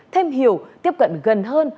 thêm hiểu tiếp cận gần hơn